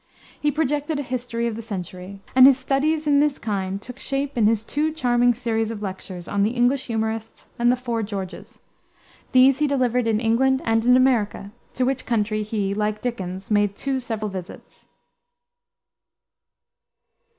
He projected a history of the century, and his studies in this kind took shape in his two charming series of lectures on The English Humorists and The Four Georges. These he delivered in England and in America, to which country he, like Dickens, made two several visits.